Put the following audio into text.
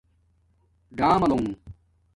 ڈآملُݸنگ